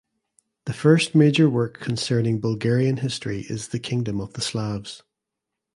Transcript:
The first major work concerning Bulgarian history is the Kingdom of the Slavs.